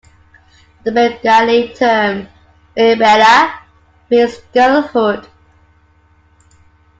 The Bengali term "Meyebela" means "girlhood".